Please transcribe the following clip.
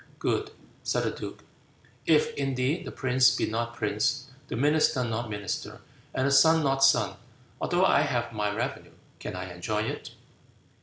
"Good," said the duke; "if, indeed, the prince be not prince, the minister not minister, and the son not son, although I have my revenue, can I enjoy it?"